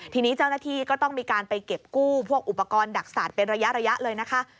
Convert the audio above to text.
ทีนี้เจ้าหน้าที่ก็ต้องมีการไปเก็บกู้พวกอุปกรณ์ดักศาสตร์เป็นระยะเลยนะคะ